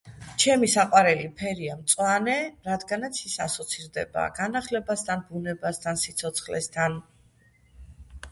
ჩემი საყვარელი ფერია მწვანე რადგანაც ის ასოცირდება განახლებასთან ბუნებასთან სიცოცხლესთან